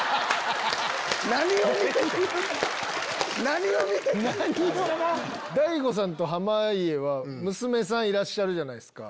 何を見てたん⁉大悟さんと濱家は娘さんいらっしゃるじゃないですか。